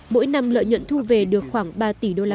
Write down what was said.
mỗi năm lợi nhuận thu về được khoảng ba tỷ usd